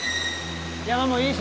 山もいいし。